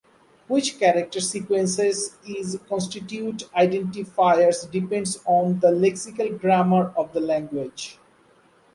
Which character sequences is constitute identifiers depends on the lexical grammar of the language.